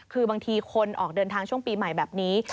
คือบางทีคนออกเดินทางช่วงปีใหม่แบบนี้